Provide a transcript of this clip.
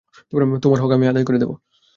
তোমার হক আমি আদায় করে দেব।